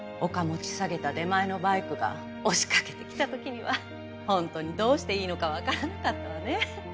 持ち下げた出前のバイクが押しかけてきた時には本当にどうしていいのかわからなかったわね。